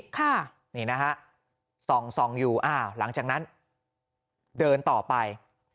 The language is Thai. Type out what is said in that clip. ค่ะนี่นะฮะส่องอยู่หลังจากนั้นเดินต่อไป